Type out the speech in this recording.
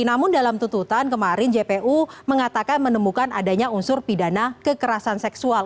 namun dalam tututan kemarin jpu mengatakan menemukan adanya unsur pidana kekerasan seksual